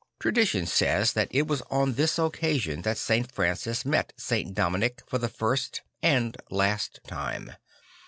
Tradition says that it was on this occasion that St. Francis met St. Dominic for the first and last time.